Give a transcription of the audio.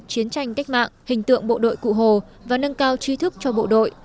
chiến tranh cách mạng hình tượng bộ đội cụ hồ và nâng cao chi thức cho bộ đội